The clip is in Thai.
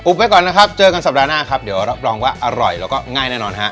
ไว้ก่อนนะครับเจอกันสัปดาห์หน้าครับเดี๋ยวรับรองว่าอร่อยแล้วก็ง่ายแน่นอนฮะ